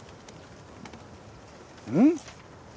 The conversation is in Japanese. うん？